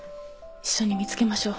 一緒に見つけましょう。